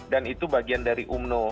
dan itu bagian dari umno